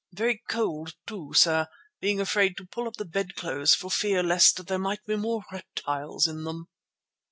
Very cold too, sir, being afraid to pull up the bedclothes for fear lest there might be more reptiles in them."